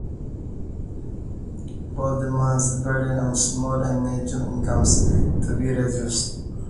Volt demands the burden on small and medium incomes to be reduced.